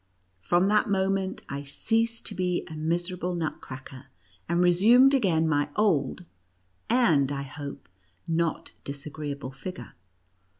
From that moment, I ceased to be a miserable Nutcracker, and resumed again my old — and, I hope, not dis agreeable — figure.